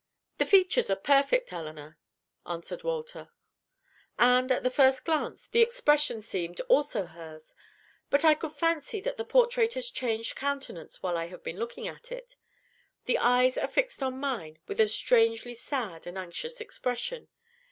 "The features are perfect, Elinor," answered Walter, "and, at the first glance, the expression seemed also hers. But, I could fancy that the portrait has changed countenance while I have been looking at it. The eyes are fixed on mine with a strangely sad and anxious expression.